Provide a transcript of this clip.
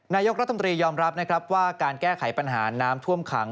นายกรัฐมนตรียอมรับนะครับว่าการแก้ไขปัญหาน้ำท่วมขัง